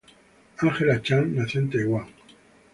Angela Chang nació en Taiwán.